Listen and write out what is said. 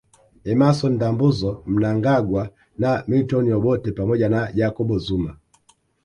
Emmason Ndambuzo Mnangagwa na Milton Obote pamoja na Jacob Zuma